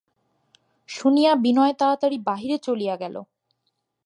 শুনিয়া বিনয় তাড়াতাড়ি বাহিরে চলিয়া গেল।